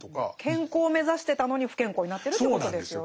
健康を目指してたのに不健康になってるっていうことですよね。